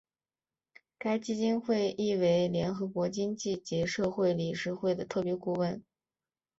该基金会亦为联合国经济及社会理事会的特别顾问。